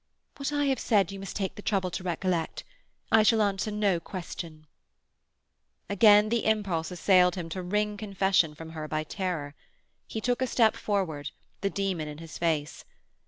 "What I have said you must take the trouble to recollect. I shall answer no question." Again the impulse assailed him to wring confession from her by terror. He took a step forward, the demon in his face.